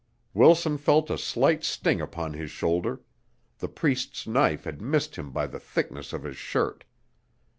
Wilson felt a slight sting upon his shoulder; the Priest's knife had missed him by the thickness of his shirt.